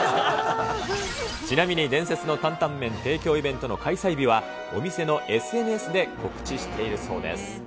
ちなみに伝説の担々麺提供イベントの開催日は、お店のＳＮＳで告知しているそうです。